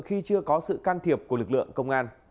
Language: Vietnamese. khi chưa có sự can thiệp của lực lượng công an